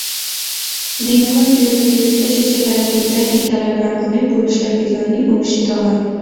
দিনভর ক্রীড়া প্রতিযোগিতা শেষে বেলা তিনটায় বিদ্যালয় প্রাঙ্গণে পুরস্কার বিতরণী অনুষ্ঠিত হয়।